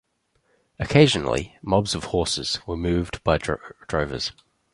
Occasionally mobs of horses were moved by drovers.